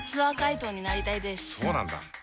そうなんだ。